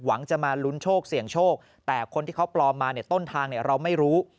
จะมาลุ้นโชคเสี่ยงโชคแต่คนที่เขาปลอมมาเนี่ยต้นทางเราไม่รู้